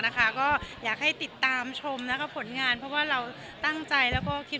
นะคะก็อยากให้ติดตามชมแล้วก็ผลงานเพราะว่าเราตั้งใจแล้วก็คิด